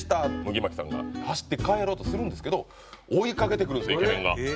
麦巻さんが走って帰ろうとするんですけど追いかけてくるんですよイケメンが。